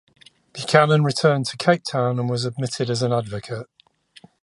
Buchanan returned to Cape Town and was admitted as an advocate.